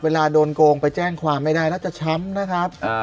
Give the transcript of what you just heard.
เวลาโดนโกงไปแจ้งความไม่ได้แล้วจะช้ำนะครับ